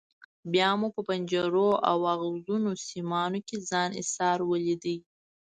بیا مو په پنجرو او ازغنو سیمانو کې ځان ایسار ولید.